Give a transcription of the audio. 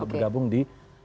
dan kemarin kita sudah sepakat